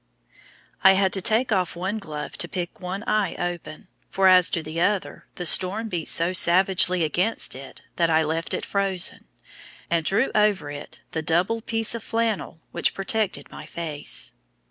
I had to take off one glove to pick one eye open, for as to the other, the storm beat so savagely against it that I left it frozen, and drew over it the double piece of flannel which protected my face.